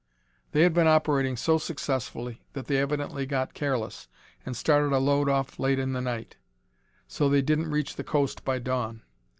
"They had been operating so successfully that they evidently got careless and started a load off late in the night so they didn't reach the coast by dawn.